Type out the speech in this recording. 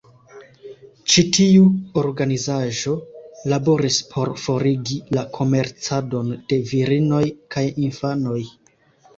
Ĉi tiu organizaĵo laboris por forigi la komercadon de virinoj kaj infanoj.